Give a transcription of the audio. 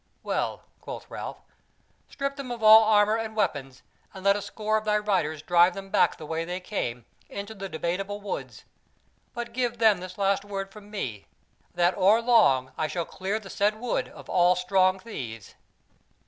"Well," quoth Ralph; "strip them of all armour and weapons, and let a score of thy riders drive them back the way they came into the Debateable Wood. But give them this last word from me, that or long I shall clear the said wood of all strong thieves."